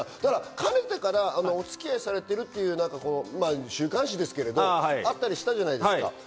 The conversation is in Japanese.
かねてからお付き合いされているっていう週刊誌ですけれども、あったりしたじゃないですか。